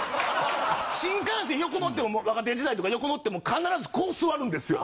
新幹線横乗っても若手時代とか横乗っても必ずこう座るんですよ。